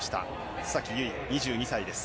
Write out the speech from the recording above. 須崎優衣、２２歳です。